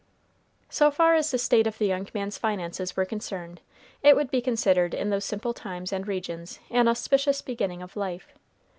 So far as the state of the young man's finances were concerned, it would be considered in those simple times and regions an auspicious beginning of life.